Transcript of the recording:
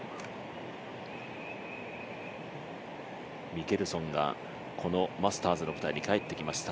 ミケルソンが、このマスターズの舞台に帰ってきました。